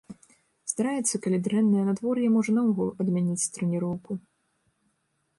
Здараецца, калі дрэннае надвор'е, можа наогул адмяніць трэніроўку.